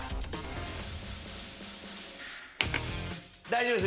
大丈夫！